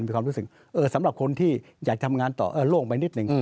มีความรู้สึกสำหรับคนที่อยากทำงานต่อโล่งไปนิดนึง